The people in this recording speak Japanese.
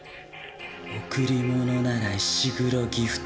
「贈り物なら石黒ギフト」。